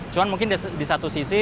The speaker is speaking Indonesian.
cuma mungkin di satu sisi